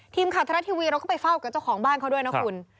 ทรัฐทีวีเราก็ไปเฝ้ากับเจ้าของบ้านเขาด้วยนะคุณ